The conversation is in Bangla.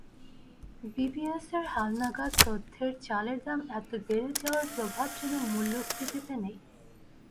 বিবিএসের হালনাগাদ তথ্যে চালের দাম এত বেড়ে যাওয়ার প্রভাব যেন মূল্যস্ফীতিতে নেই।